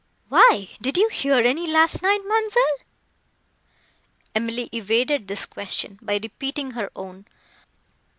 "Why, did you hear any last night, ma'amselle?" Emily evaded this question, by repeating her own.